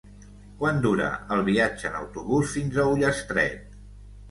Quant dura el viatge en autobús fins a Ullastret?